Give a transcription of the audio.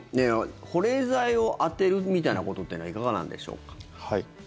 保冷剤を当てるみたいなことっていうのはいかがなんでしょうか。